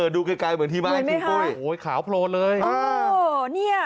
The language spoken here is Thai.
ดูไกลเหมือนที่บ้านคุณปุ้ยขาวโพรนเลยโอ้โฮนี่